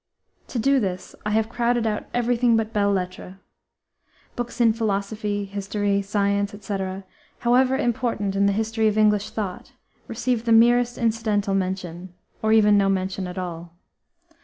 To do this I have crowded out everything but belles lettres. Books in philosophy, history, science, etc., however important in the history of English thought, receive the merest incidental mention, or even no mention at all.